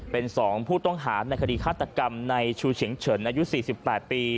เป็น๒ผู้ต้องหาในคดีฆาตกรรมในชูเฉียงเฉินอายุ๔๘ปี